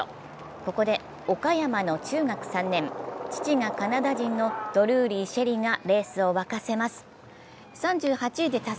ここで岡山の中学３年、父がカナダ人のドルーリー朱瑛里がレースを沸かせます。